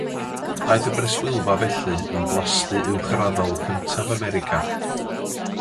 Daeth y breswylfa felly yn blasty uwchraddol cyntaf America.